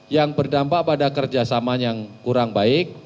yang berdampak pada kerjasama yang kurang baik